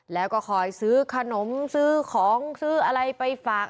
แล้วก็คอยซื้อขนมซื้อของซื้ออะไรไปฝาก